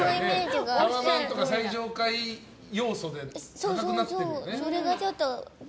タワマンとか最上階要素で高くなってるよね。